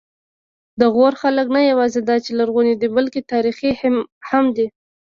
د غور خلک نه یواځې دا چې لرغوني دي، بلکې تاریخي هم دي.